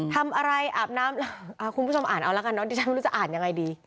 ทำอะไรอาบน้ำคุณผู้ชมอ่านเอาละกันเนอะดิฉันไม่รู้จะอ่านยังไงดี